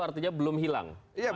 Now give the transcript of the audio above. artinya belum hilang